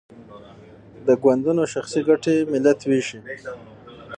د ګوندونو شخصي ګټې ملت ویشي.